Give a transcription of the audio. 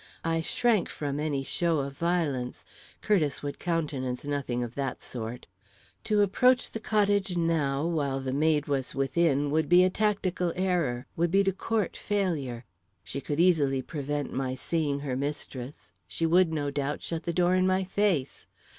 I shrank from any show of violence. Curtiss would countenance nothing of that sort. To approach the cottage now, while the maid was within, would be a tactical error would be to court failure. She could easily prevent my seeing her mistress she would, no doubt, shut the door in my face.